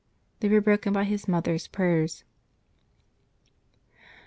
They were broken by his mother's prayers.